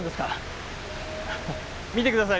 見てください。